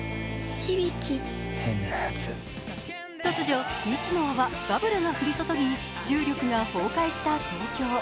突如、未知の泡、バブルが降り注ぎ重力が崩壊した東京。